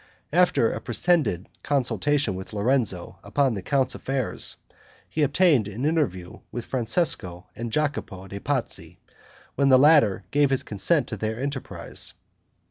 After a pretended consultation with Lorenzo, upon the count's affairs, he obtained an interview with Francesco and Jacopo de' Pazzi, when the latter gave his consent to their enterprise.